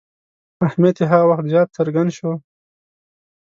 اهمیت یې هغه وخت زیات څرګند شو.